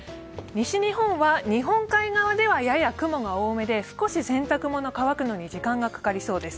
西日本は日本海側ではやや雲が多めで少し洗濯物、乾くのに時間がかかりそうです。